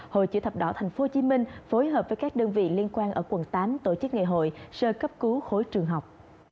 hội chữ thập đỏ tp hcm phối hợp với các đơn vị liên quan ở quận tám tổ chức ngày hội sơ cấp cứu khối trường học